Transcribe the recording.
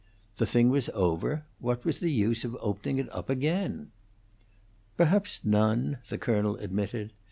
The thing was over; what was the use of opening it up again? "Perhaps none," the colonel admitted.